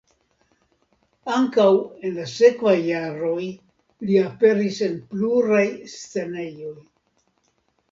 Ankaŭ en la sekvaj jaroj li aperis en pluraj scenejoj.